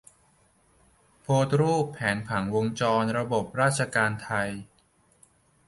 โพสรูปแผนผังวงจรระบบราชการไทย